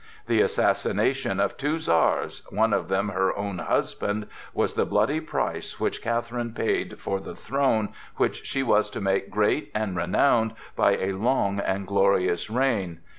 The assassination of two czars—one of them her own husband—was the bloody price which Catherine paid for the throne which she was to make great and renowned by a long and glorious reign.